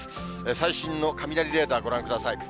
最新の雷レーダーご覧ください。